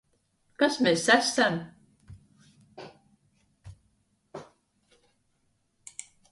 Kas mēs esam?